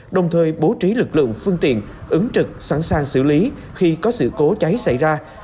đồng thời bố trí lực lượng phương tiện ứng trực sẵn sàng xử lý khi có sự cố cháy xảy ra